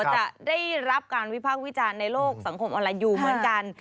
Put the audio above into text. จะได้รับการวิพากษ์วิจารณ์ในโลกสังคมออนไลน์อยู่เหมือนกัน